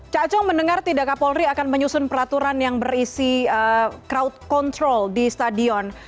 caco mendengar tidak kapolri akan menyusun peraturan yang berisi crowd control di stadion